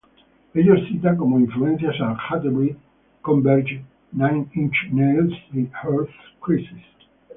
Ellos citan como influencias a Hatebreed, Converge, Nine Inch Nails y Earth Crisis.